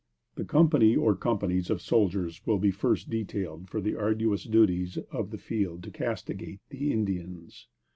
The company, or companies, of soldiers will be first detailed for the arduous duties of the field to castigate the Indians.